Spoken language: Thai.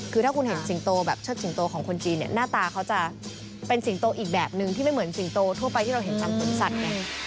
คือถ้าคุณเห็นสิงโตแบบเชิดสิงโตของคนจีนเนี่ยหน้าตาเขาจะเป็นสิงโตอีกแบบนึงที่ไม่เหมือนสิงโตทั่วไปที่เราเห็นตามสวนสัตว์ไง